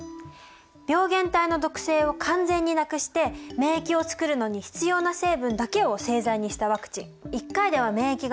病原体の毒性を完全になくして免疫をつくるのに必要な成分だけを製剤にしたワクチン。